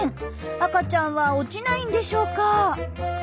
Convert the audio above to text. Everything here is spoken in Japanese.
赤ちゃんは落ちないんでしょうか。